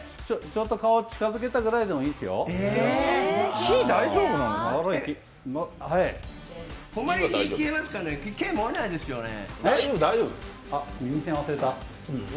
ちょっと顔近づけたぐらいでもいいですよ。